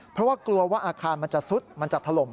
เพราะว่ากลัวว่าอาคารมันจะซุดมันจะถล่ม